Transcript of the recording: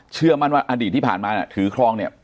เชื่อมั่นว่าอดีตที่ผ่านมาถือครองเนี่ย